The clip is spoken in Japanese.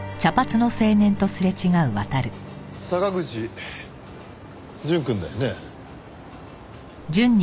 坂口淳くんだよね？